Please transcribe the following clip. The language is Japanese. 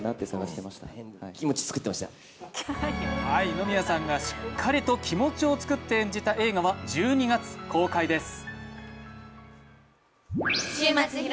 二宮さんがしっかりと気持を作って演じた映画は１２月公開です。